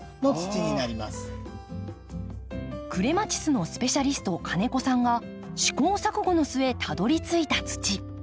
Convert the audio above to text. クレマチスのスペシャリスト金子さんが試行錯誤の末たどりついた土。